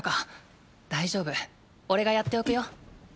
大丈夫おれがやっておくよ。